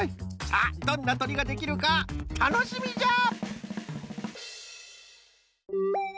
さあどんなとりができるかたのしみじゃ！